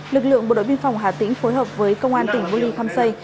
lực lượng bộ đội biên phòng hà tĩnh phối hợp với công an tỉnh bô ly khăm xây